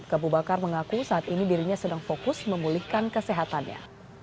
abu bakar mengaku saat ini dirinya sedang fokus memulihkan kesehatannya